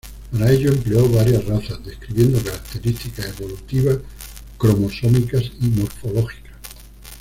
Para ello empleó varias razas, describiendo características evolutivas, cromosómicas y morfológicas.